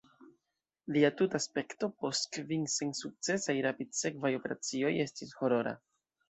Lia tuta aspekto post kvin sensukcesaj rapidsekvaj operacioj estis horora.